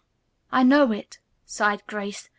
"I know it," sighed Grace.